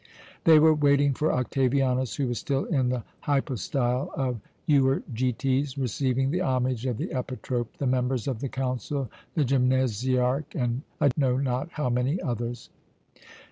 "They were waiting for Octavianus, who was still in the hypostyle of Euergetes receiving the homage of the epitrop, the members of the Council, the gymnasiarch, and I know not how many others.